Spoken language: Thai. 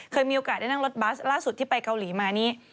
เคยมีโอกาสได้นั่งรถบัสล่าสุดที่ไปเกาหลีมานี้